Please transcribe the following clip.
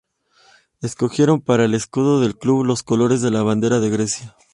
Escogieron para el escudo del club los colores de la bandera de Grecia.